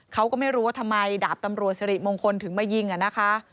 เขาก็ไม่รู้ว่าทำไมดาบตำรวจสิริมงคลถึงมายิงอะนะคะ